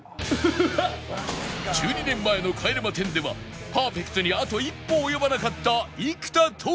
１２年前の帰れま１０ではパーフェクトにあと一歩及ばなかった生田斗真